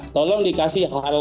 tolong dikasih hal hal